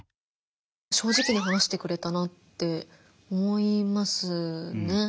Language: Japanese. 正直に話してくれたなって思いますね。